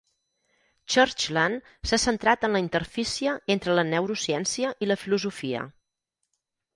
Churchland s'ha centrat en la interfície entre la neurociència i la filosofia.